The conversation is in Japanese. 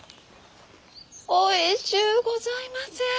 おいしゅうございます！